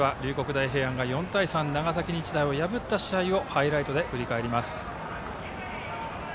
大平安が４対３長崎日大を破った試合をハイライトで振り返ります。